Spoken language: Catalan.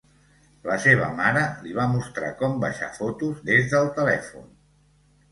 La seva mare li va mostrar com baixar fotos des del telèfon.